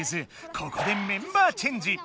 ここでメンバーチェンジ。